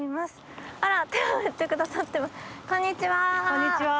こんにちは。